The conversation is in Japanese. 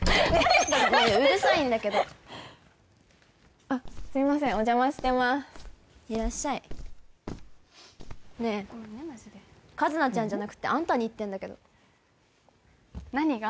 ねえうるさいんだけどあっすいませんお邪魔してますいらっしゃいねえ一菜ちゃんじゃなくてあんたに言ってんだけど何が？